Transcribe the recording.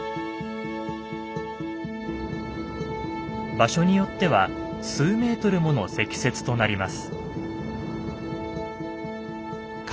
場所によっては数メートルもの積雪となります。